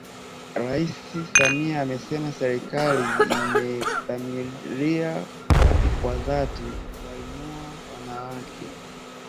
Rais Samia amesema Serikali imedhamiria kwa dhati kuwainua Wanawake